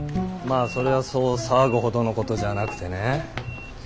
まあそれはそう騒ぐほどのことじゃなくてね